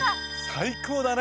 最高だね。